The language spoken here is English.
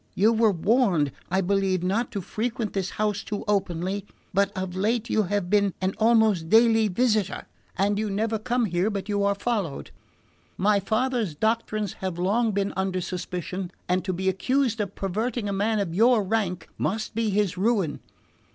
You were warned, I believe, not to frequent this house too openly; but of late you have been an almost daily visitor, and you never come here but you are followed. My father's doctrines have long been under suspicion, and to be accused of perverting a man of your rank must be his ruin.